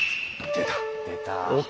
出た。